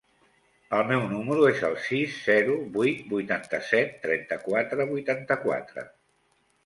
El meu número es el sis, zero, vuit, vuitanta-set, trenta-quatre, vuitanta-quatre.